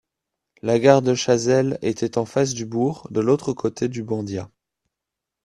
La gare de Chazelles était en face du bourg, de l'autre côté du Bandiat.